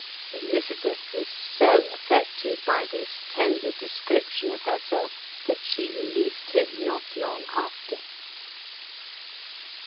Elizabeth was so affected by this tender description of herself that she released him not long after.